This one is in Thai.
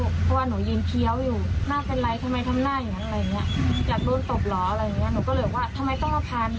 เพราะว่าหนูยืนเคี้ยวอยู่หน้าเป็นไรทำไมทำหน้าอย่างนั้น